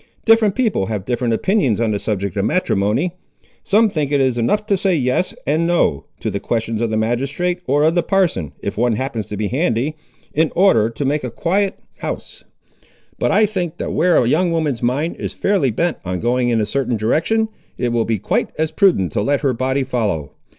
Different people have different opinions on the subject of matrimony. Some think it is enough to say yes and no, to the questions of the magistrate, or of the parson, if one happens to be handy, in order to make a quiet house; but I think that where a young woman's mind is fairly bent on going in a certain direction, it will be quite as prudent to let her body follow.